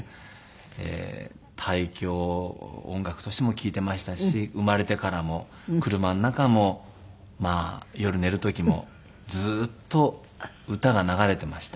胎教音楽としても聴いていましたし生まれてからも車の中もまあ夜寝る時もずーっと歌が流れていました。